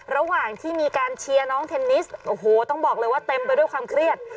ระหว่างที่มีการเชียร์น้องเทนนิสโอ้โหต้องบอกเลยว่าเต็มไปด้วยความเครียด